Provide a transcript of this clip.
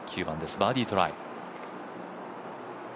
９番です、バーディートライ。